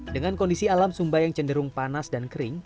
dengan kondisi alam sumba yang cenderung panas dan kering